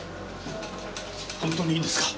本当にいいんですか？